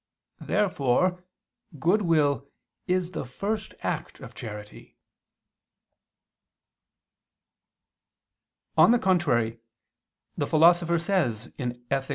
Therefore goodwill is the first act of charity. On the contrary, The Philosopher says (Ethic.